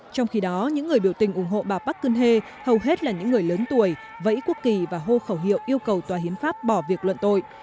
trong khi đó những người biểu tình ủng hộ bà parkun he hầu hết là những người lớn tuổi vẫy quốc kỳ và hô khẩu hiệu yêu cầu tòa hiến pháp bỏ việc luận tội